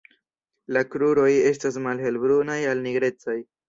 La kruroj estas malhelbrunaj al nigrecaj.